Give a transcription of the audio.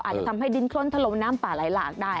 อาจจะทำให้ดินคล้นถล่มน้ำป่าไหลหลากได้